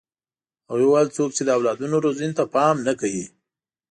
هغوی وویل څوک چې د اولادونو روزنې ته پام نه کوي.